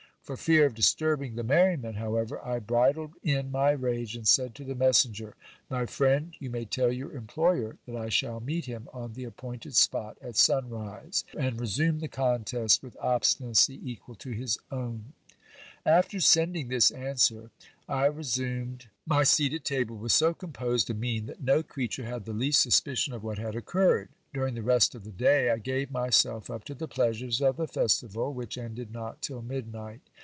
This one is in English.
For fear of disturbing the merriment, however, I bridled in my rage, and said to the messenger: My friend, you mr y tell your employer that I shall meet him on the appointed spot at sun rise, anl resume the contest with obstinacy equal to his own. 322 GIL BLAS. After sending this answer, I resumed my seat at table with so composed a mien, that no creature had the least suspicion of what had occurred. During the rest of the day, I gave myself up to the pleasures of the festival, which ended not till midnight.